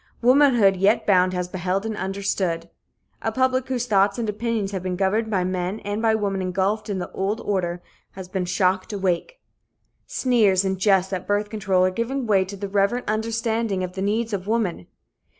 Womanhood yet bound has beheld and understood. A public whose thoughts and opinions had been governed by men and by women engulfed in the old order has been shocked awake. Sneers and jests at birth control are giving way to a reverent understanding of the needs of woman.